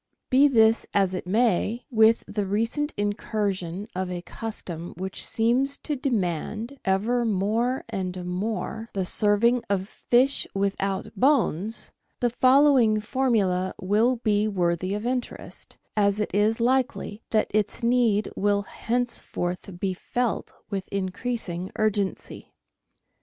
Be this as it may, with the recent incursion of a custom which seems to demand, ever more and more, the serving of fish without bones, the following formula will be worthy of interest, as it is likely that its need will henceforth be felt with increasing urgency.